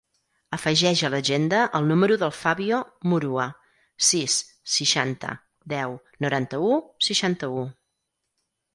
Afegeix a l'agenda el número del Fabio Murua: sis, seixanta, deu, noranta-u, seixanta-u.